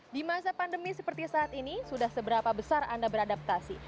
di masa pandemi seperti saat ini sudah seberapa besar anda beradaptasi